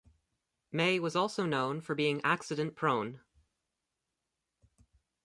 May was also known for being accident prone.